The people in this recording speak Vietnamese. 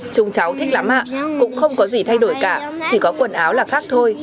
chúng cháu thích lắm mạ cũng không có gì thay đổi cả chỉ có quần áo là khác thôi